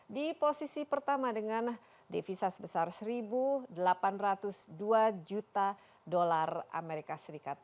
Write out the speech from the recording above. di posisi pertama dengan devisa sebesar satu delapan ratus dua juta dolar amerika serikat